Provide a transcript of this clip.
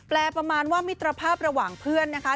ประมาณว่ามิตรภาพระหว่างเพื่อนนะคะ